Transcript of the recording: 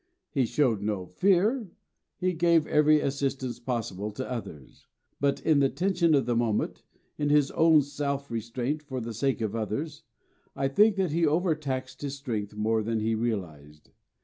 He showed no fear, and he gave every assistance possible to others; but, in the tension of the moment, in his own self restraint for the sake of others, I think that he overtaxed his strength more than he realised.